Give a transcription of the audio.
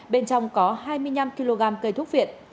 bên trong có hai mươi năm kg cây thuốc viện